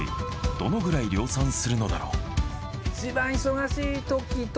どのくらい量産するのだろう。